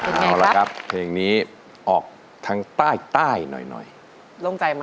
โปรดติดตามตอนต่อไป